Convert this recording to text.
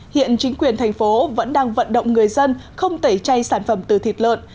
hiện chính quyền thành phố vẫn đang vận động người dân không tẩy chay sản phẩm từ thịt lợn